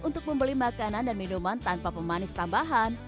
untuk membeli makanan dan minuman tanpa pemanis tambahan